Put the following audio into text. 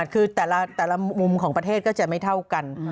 คือแต่ละมุมของประเทศก็จะไม่เท่ากัน